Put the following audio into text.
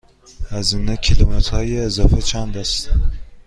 هزینه کیلومترهای اضافه چند است؟